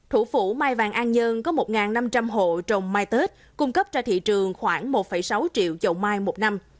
thủ phủ mai vàng an dương có một năm trăm linh hộ trồng mai tết cung cấp cho thị trường khoảng một sáu triệu chậu mai một năm